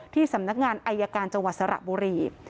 สำนักงานอายการจังหวัดสระบุรี